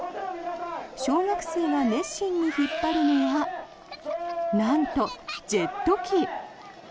小学生が熱心に引っ張るのはなんとジェット機。